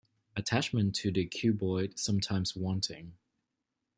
Attachment to the cuboid sometimes wanting.